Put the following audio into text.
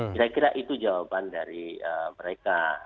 kira kira itu jawaban dari mereka